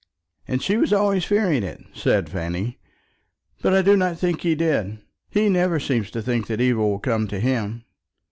"And she was always fearing it," said Fanny. "But I do not think he did. He never seems to think that evil will come to him."